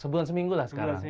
sebulan seminggu lah sekarang